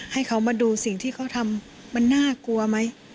ให้เขามาดูสิ่งที่เขาทำมันน่ากลัวไหม